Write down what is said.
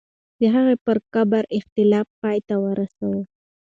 د هغې پر قبر اختلاف پای ته ورسوه.